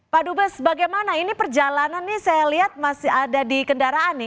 pak dubes bagaimana ini perjalanan ini saya lihat masih ada di kendaraan nih